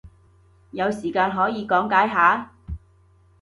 有時間可以講解下？